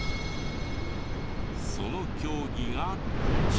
その競技がこちら。